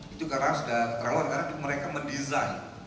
itu karena sudah terlalu karena mereka mendesain